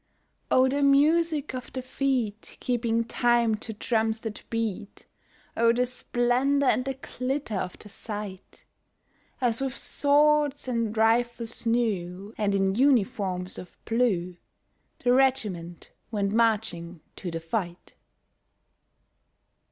Oh the music of the feet keeping time to drums that beat, Oh the splendour and the glitter of the sight, As with swords and rifles new and in uniforms of blue The regiment went marching to the fight!